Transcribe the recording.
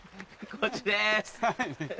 こっちです！